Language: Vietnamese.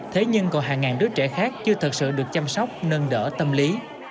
thế nhưng còn hàng ngàn đứa trẻ khác chưa thật sự được chăm sóc nâng đỡ tâm lý